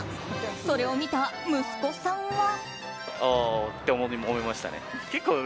それを見た息子さんは。